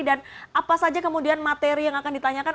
dan apa saja kemudian materi yang akan ditanyakan